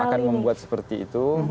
akan membuat seperti itu